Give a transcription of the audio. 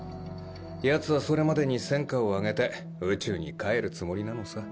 ヤツはそれまでに戦果を上げて宇宙に帰るつもりなのさ。